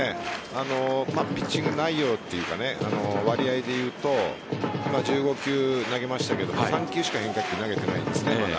ピッチング内容というか割合でいうと今１５球投げましたが３球しか変化球を投げていないんです。